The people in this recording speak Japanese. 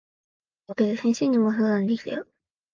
お陰で先生にも相談できたよ。